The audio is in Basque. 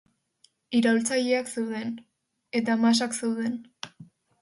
Iraultzaileak zeuden..., eta masak zeuden.